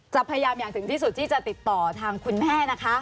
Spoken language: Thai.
พยายามอย่างถึงที่สุดที่จะติดต่อทางคุณแม่นะคะ